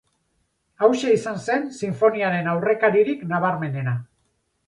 Hauxe izan zen sinfoniaren aurrekaririk nabarmenena.